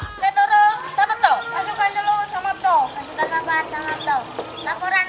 saya berpaparan mari